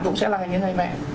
cũng sẽ là những anh mẹ